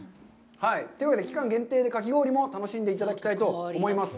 というわけで期間限定でかき氷も楽しんでいただきたいと思います。